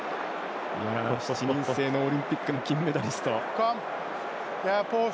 ７人制のオリンピックの金メダリスト。